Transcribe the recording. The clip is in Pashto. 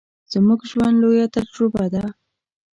زموږ ژوند، لويه تجربه ده.